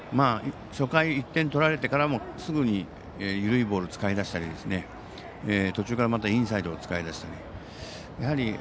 初回、１点取られてからもすぐに緩いボール使い出したり途中からまたインサイドを使い出したり。